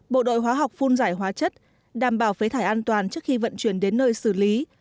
bộ đội hóa học phun giải hóa chất đảm bảo phế thải an toàn trước khi vận chuyển đến nơi xử lý